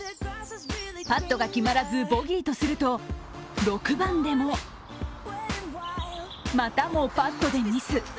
パットが決まらずボギーとすると６番でも、またもパットでミス。